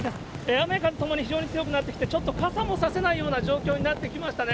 雨風ともに非常に強くなってきていて、ちょっと傘も差せないような状況になってきましたね。